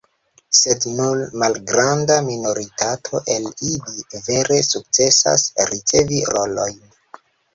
Sed nur malgranda minoritato el ili vere sukcesas ricevi rolojn.